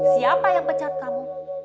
siapa yang pecat kamu